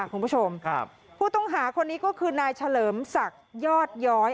คุณผู้ชมผู้ต้องหาคนนี้ก็คือนายเฉลิมศักดิ์ยอดย้อย